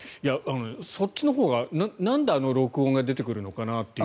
そっちのほうがなんであの録音が出てくるのかなという。